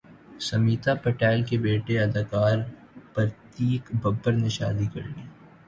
سمیتا پاٹیل کے بیٹے اداکار پرتیک ببر نے شادی کرلی